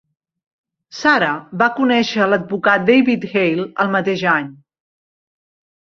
Sarah va conèixer l'advocat David Hale el mateix any.